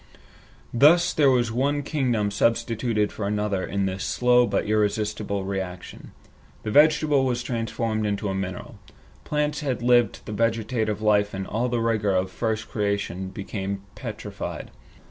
Thus there was one kingdom substituted for another in this slow but irresistible reaction. The vegetable was transformed into a mineral. Plants which had lived the vegetative life in all the vigor of first creation became petrified.